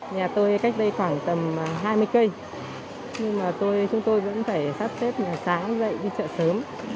nhà tôi cách đây khoảng tầm hai mươi cây nhưng mà chúng tôi vẫn phải sắp xếp sáng dậy đi chợ sớm